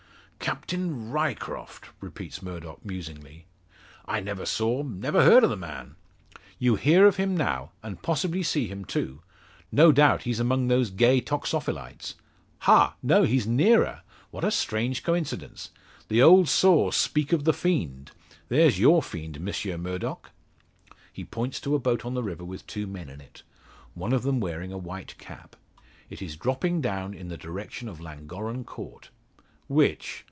"Captain Ryecroft!" repeats Murdock, musingly; "I never saw never heard of the man!" "You hear of him now, and possibly see him too. No doubt he's among those gay toxophilites Ha! no, he's nearer! What a strange coincidence! The old saw, `speak of the fiend.' There's your fiend, Monsieur Murdock!" He points to a boat on the river with two men in it; one of them wearing a white cap. It is dropping down in the direction of Llangorren Court. "Which?"